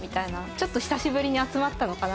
ちょっと久しぶりに集まったのかな？